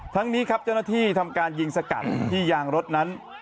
ทั้งนี้ครับเจ้าหน้าที่ทำการยิงสกัดที่ยางรถนั้น